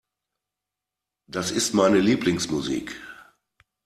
Das ist meine Lieblingsmusik.